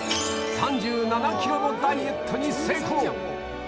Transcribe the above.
３７ｋｇのダイエットに成功